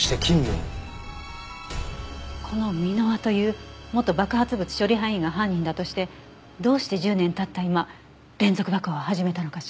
この箕輪という元爆発物処理班員が犯人だとしてどうして１０年経った今連続爆破を始めたのかしら？